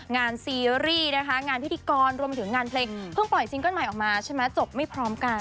งานซีรีส์นะคะงานพิธีกรรวมไปถึงงานเพลงเพิ่งปล่อยซิงเกิ้ลใหม่ออกมาใช่ไหมจบไม่พร้อมกัน